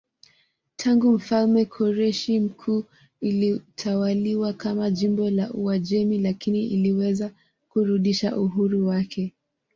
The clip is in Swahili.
Tangu mfalme Koreshi Mkuu ilitawaliwa kama jimbo la Uajemi lakini iliweza kurudisha uhuru wake.